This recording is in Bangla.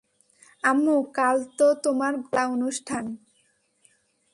আম্মু, কাল তো তোমার গালা অনুষ্ঠান।